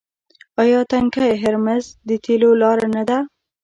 آیا تنګی هرمز د تیلو لاره نه ده؟